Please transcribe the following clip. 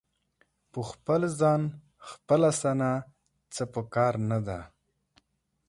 په خپل ځان خپله ثنا څه په کار نه ده.